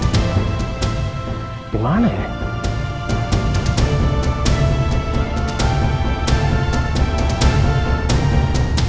padahal saya sudah minta dia menunggu